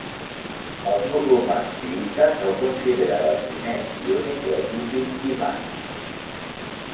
Els musulmans xiïtes el consideren el primer i únic legítim imam.